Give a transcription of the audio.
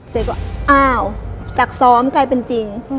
เจ๊ก็อ้าวจากซ้อมกลายเป็นจริง